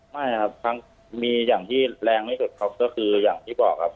ไม่ครับทั้งมีอย่างที่แรงที่สุดครับก็คืออย่างที่บอกครับ